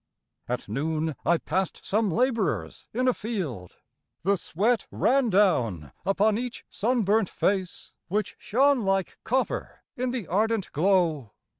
At noon I passed some labourers in a field. The sweat ran down upon each sunburnt face, Which shone like copper in the ardent glow.